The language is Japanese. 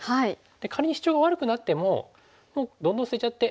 仮にシチョウが悪くなってももうどんどん捨てちゃって。